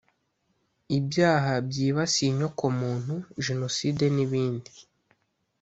ibyaha byibasiye inyokomuntu jenoside n’ ibindi